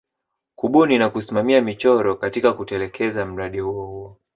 Kubuni na kusimamia michoro katika kutelekeza mradio huu